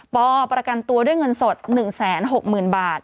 ประกันตัวด้วยเงินสด๑๖๐๐๐บาท